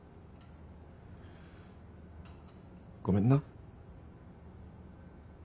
ごめんな。